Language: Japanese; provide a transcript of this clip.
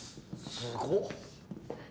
すごっ！